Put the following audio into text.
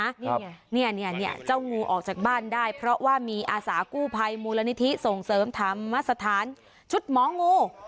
นี่ไงเนี่ยเนี่ยเจ้างูออกจากบ้านได้เพราะว่ามีอาสากู้ภัยมูลนิธิส่งเสริมธรรมสถานชุดหมองู